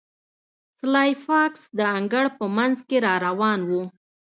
سلای فاکس د انګړ په مینځ کې را روان و